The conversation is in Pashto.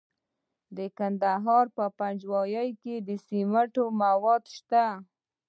د کندهار په پنجوايي کې د سمنټو مواد شته.